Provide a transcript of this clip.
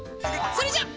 それじゃあ。